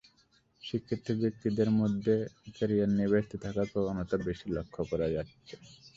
শিক্ষিত ব্যক্তিদের মধ্যেই ক্যারিয়ার নিয়ে ব্যস্ত থাকার প্রবণতা বেশি লক্ষ করা যাচ্ছে।